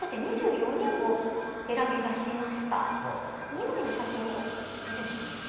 ２枚の写真を見せたんです。